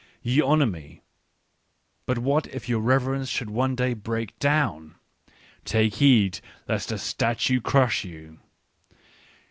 " Ye honour me ; but what if your reverence should one day break down ? Take heed, lest a statue crush you.